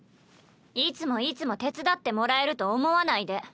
いつもいつも手伝ってもらえると思わないで。